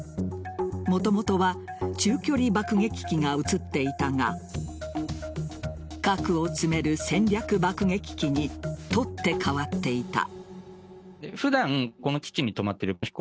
もともとは中距離爆撃機が写っていたが核を積める戦略爆撃機に取って代わっていた。